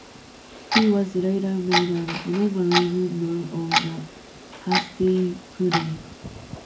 He was later made an honorary member of the Hasty Pudding.